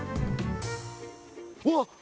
うわっ！